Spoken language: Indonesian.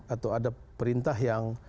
atau ada perintah yang